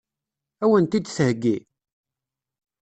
Ad wen-t-id-theggi?